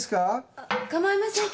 あっ構いませんけど。